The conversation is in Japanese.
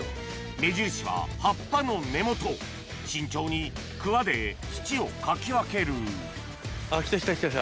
目印は葉っぱの根元慎重にくわで土をかき分けるあっきたきた！